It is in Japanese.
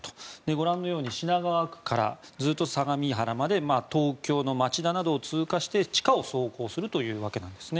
ご覧のように品川区から相模原まで東京の町田などを通過して地下を走行するわけです。